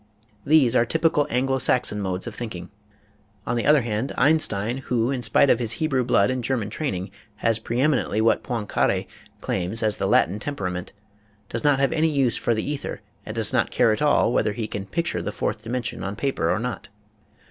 These are typical Anglo Saxon modes of thinking. On the other hand, Einstein, who, MECHANICAL VS. MATHEMATICAL MINDS 89 in spite of his Hebrew blood and German training, has preeminently what Poincare claims, as the Latin tem perament, does not have any use for the ether and does not care at all whether he can " picture " the fourth dimensions on paper or not.